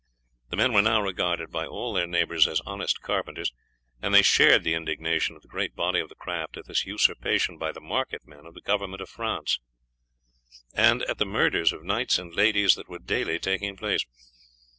The men were now regarded by all their neighbours as honest carpenters, and they shared the indignation of the great body of the craft at this usurpation by the market men of the government of France, and at the murders of knights and ladies that were daily taking place.